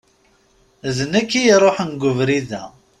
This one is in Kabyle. D nekk i iṛuḥen g ubrid-a.